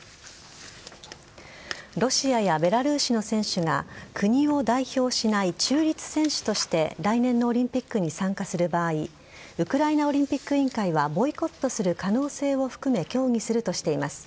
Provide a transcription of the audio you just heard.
ロシアやベラルーシの選手が国を代表しない中立選手として来年のオリンピックに参加する場合ウクライナオリンピック委員会はボイコットする可能性を含め協議するとしています。